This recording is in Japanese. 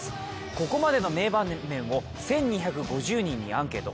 ここまでの名場面を１２５０人にアンケート。